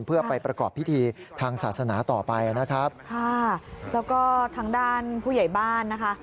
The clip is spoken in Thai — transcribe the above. เพื่อไปประกอบพิธีทางศาสนาต่อไปนะครับค่ะแล้วก็ทางด้านผู้ใหญ่บ้านนะคะ